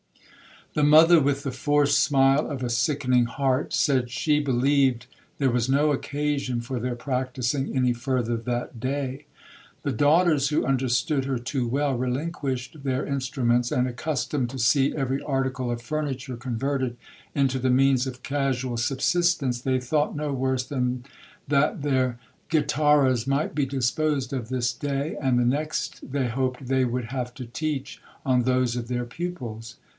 'The mother, with the forced smile of a sickening heart, said she believed there was no occasion for their practising any further that day. The daughters, who understood her too well, relinquished their instruments, and, accustomed to see every article of furniture converted into the means of casual subsistence, they thought no worse than that their ghitarras might be disposed of this day, and the next they hoped they would have to teach on those of their pupils.